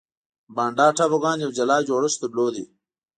بانډا ټاپوګان یو جلا جوړښت درلود.